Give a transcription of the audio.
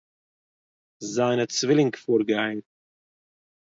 זיינע צווילינג פארגייער